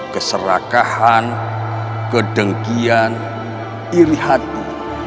keserakahan kedengkian iri hati